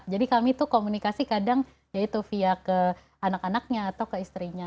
jadi kami itu komunikasi kadang yaitu via ke anak anaknya atau ke istrinya